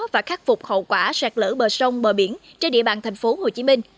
và khắc phục hậu quả sạt lỡ bờ sông bờ biển trên địa bàn tp hcm